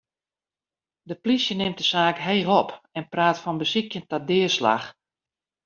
De polysje nimt de saak heech op en praat fan besykjen ta deaslach.